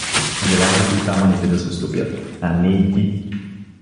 Желязото и камъните да се стопят, а не и ти!